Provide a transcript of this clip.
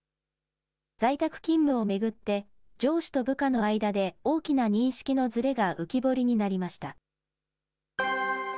在宅勤務を巡って、上司と部下の間で大きな認識のずれが浮き彫りになりました。